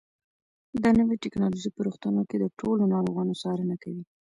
دا نوې ټیکنالوژي په روغتونونو کې د ټولو ناروغانو څارنه کوي.